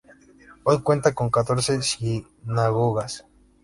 Hoy cuenta con catorce sinagogas.